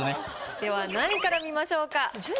では何位から見ましょうか？